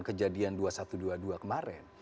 kejadian dua ribu satu ratus dua puluh dua kemarin